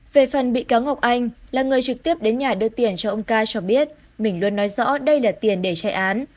về phần bị cáo ngọc anh là người trực tiếp đến nhà đưa tiền cho ông ca cho biết mình luôn nói rõ đây là tiền để chạy án